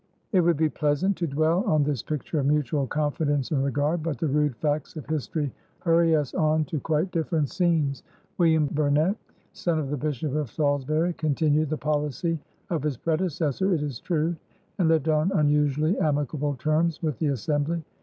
It would be pleasant to dwell on this picture of mutual confidence and regard, but the rude facts of history hurry us on to quite different scenes. William Burnet, son of the Bishop of Salisbury, continued the policy of his predecessor, it is true, and lived on unusually amicable terms with the Assembly.